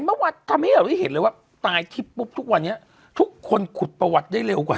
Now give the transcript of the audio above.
เป็นเมื่อวันนี้เห็นไหมวะตายทิศปุ๊ปทุกวันนี้ทุกคนขุดประวัติได้เร็วกว่า